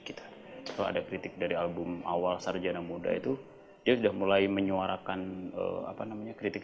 kita kalau ada kritik dari album awal sarjana muda itu dia udah mulai menyuarakan apa namanya kritik